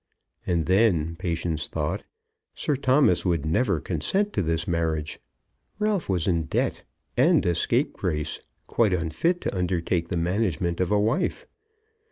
And then, Patience thought, Sir Thomas would never consent to this marriage. Ralph was in debt, and a scapegrace, and quite unfit to undertake the management of a wife.